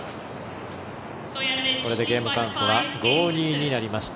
これでゲームカウントは５−２になりました。